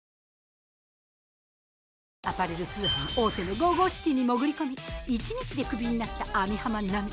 アパレル通販大手のＧＯＧＯＣＩＴＹに潜り込み１日でクビになった網浜奈美。